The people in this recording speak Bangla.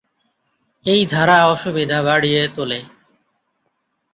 এই ধারা অসুবিধা বাড়িয়ে তোলে।